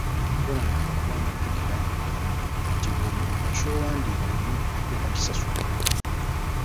Tolandagga kubanga jjukira nti buli ky'owandiika olina okukisasulira.